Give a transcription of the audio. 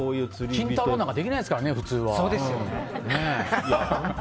金太郎なんかできないですからね、普通は。